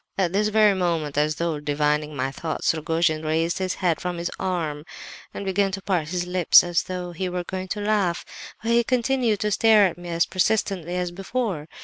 "At this very moment, as though divining my thoughts, Rogojin raised his head from his arm and began to part his lips as though he were going to laugh—but he continued to stare at me as persistently as before.